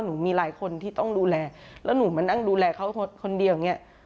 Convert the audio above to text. หนูมีหลายคนที่ต้องดูแลแล้วหนูมานั่งดูแลเขาคนเดียวอย่างนี้